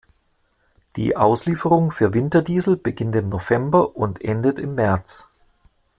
Die Auslieferung für Winterdiesel beginnt im November und endet im März.